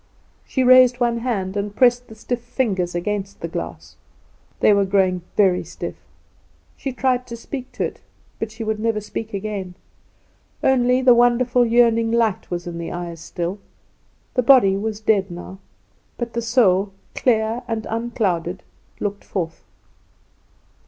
She raised one hand and pressed the stiff fingers against the glass. They were growing very stiff. She tried to speak to it, but she would never speak again. Only the wonderful yearning light was in the eyes still. The body was dead now, but the soul, clear and unclouded, looked forth.